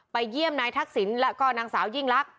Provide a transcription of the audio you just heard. เยี่ยมนายทักษิณแล้วก็นางสาวยิ่งลักษ